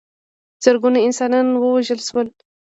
زرګونه انسانان ووژل شول.